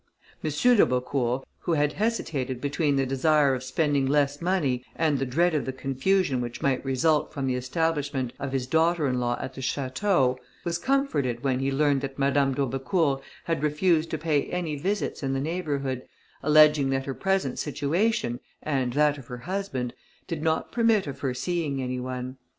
M. d'Aubecourt, who had hesitated between the desire of spending less money, and the dread of the confusion which might result from the establishment of his daughter in law at the château, was comforted when he learned that Madame d'Aubecourt had refused to pay any visits in the neighbourhood, alleging that her present situation, and that of her husband, did not permit of her seeing any one.